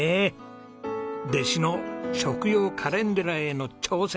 弟子の食用カレンデュラへの挑戦